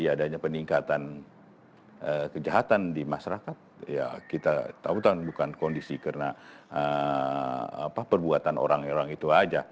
adanya peningkatan kejahatan di masyarakat ya kita tahu bukan kondisi karena perbuatan orang orang itu aja